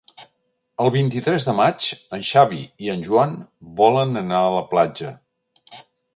El vint-i-tres de maig en Xavi i en Joan volen anar a la platja.